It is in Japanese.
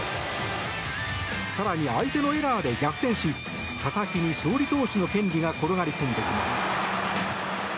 更に相手のエラーで逆転し佐々木に勝利投手の権利が転がり込んできます。